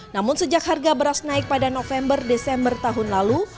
namun sejak harga beras naik pada november desember tahun lalu